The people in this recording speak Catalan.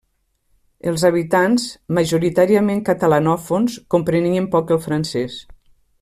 Els habitants, majoritàriament catalanòfons, comprenien poc el francès.